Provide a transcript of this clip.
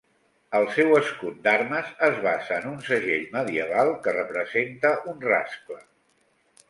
El seu escut d'armes es basa en un segell medieval que representa un rascle.